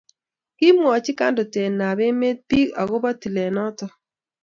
kimwachi kandoten ab emt pik a akopo tilet noton